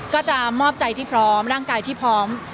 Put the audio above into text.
ก็จะมอบใจที่พร้อมร่างกายที่พร้อม